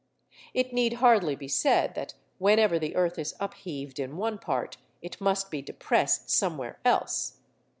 It need hardly be said that whenever the earth is upheaved in one part, it must be depressed somewhere else.